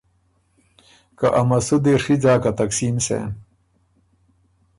که ا مسُودی ڒی ځاکه تقسیم سېن۔